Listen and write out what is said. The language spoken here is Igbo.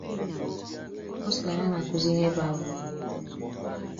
si na ya na-akụzi ihe bura uru